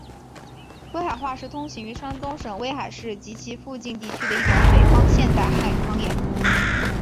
威海话是通行于山东省威海市及其附近地区的一种北方现代汉语方言。